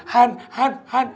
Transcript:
han han han